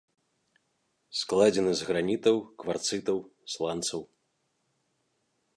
Складзены з гранітаў, кварцытаў, сланцаў.